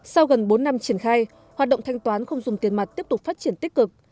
sau gần bốn năm triển khai hoạt động thanh toán không dùng tiền mặt tiếp tục phát triển tích cực